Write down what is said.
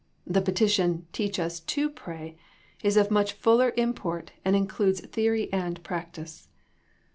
The petition " teach us to pray," is of much fuller import and includes theory and practice.